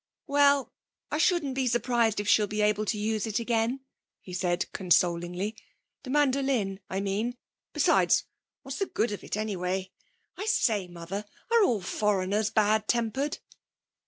'Well, I shouldn't be surprised if she'll be able to use it again,' he said consolingly 'the mandolin, I mean. Besides, what's the good of it anyway? I say, Mother, are all foreigners bad tempered?'